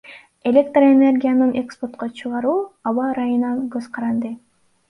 Электроэнергиясын экспортко чыгаруу аба ырайынан көзкаранды.